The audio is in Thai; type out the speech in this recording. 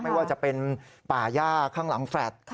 ไม่ว่าจะเป็นป่าย่าข้างหลังแฟลต์